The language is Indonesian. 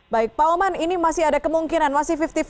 baik pak oman ini masih ada kemungkinan masih lima puluh lima